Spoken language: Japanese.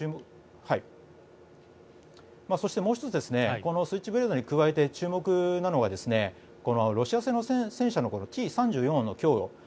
そしてもう１つこのスイッチブレードに加えて注目なのはロシア製の戦車のＴ３４の供与